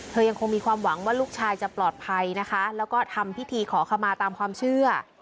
ยังคงมีความหวังว่าลูกชายจะปลอดภัยนะคะแล้วก็ทำพิธีขอขมาตามความเชื่อ